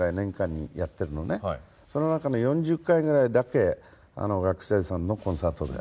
その中の４０回ぐらいだけ学生さんのコンサートで。